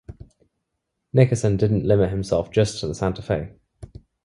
Nickerson didn't limit himself to just the Santa Fe.